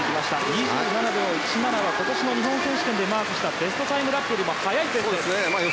２７秒１７は今年の日本選手権でマークしたベストタイムラップよりも速いです。